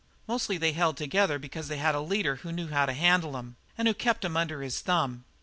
Mostly they held together because they had a leader who knew how to handle 'em and who kept 'em under his thumb.